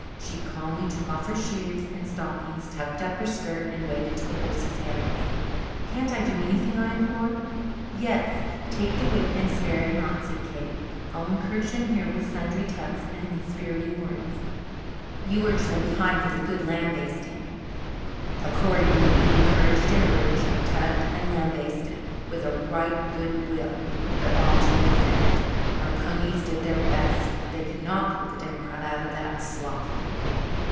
She calmly took off her shoes and stockings, tucked up her skirt, and waded to the horses' heads. "Can't I do anything?" I implored. "Yes, take the whip and spare it not," said Kate. "I'll encourage them here with sundry tugs and inspiriting words. You urge them behind with a good lambasting." Accordingly we encouraged and urged, tugged and lambasted, with a right good will, but all to no effect. Our ponies did their best, but they could not pull the democrat out of that slough.